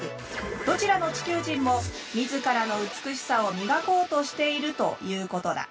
どちらの地球人も自らの美しさを磨こうとしているということだ。